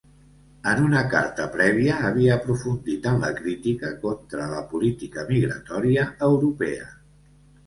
En una carta prèvia, havia aprofundit en la crítica contra la política migratòria europea.